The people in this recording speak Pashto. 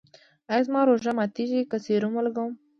ایا زما روژه ماتیږي که سیروم ولګوم؟